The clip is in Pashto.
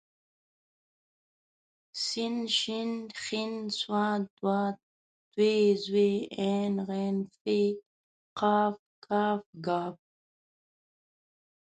س ش ښ ص ض ط ظ ع غ ف ق ک ګ